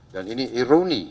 dan ini ironi